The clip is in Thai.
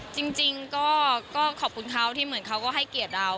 จริงก็ขอบคุณเขาที่เหมือนเขาก็ให้เกียรติเรา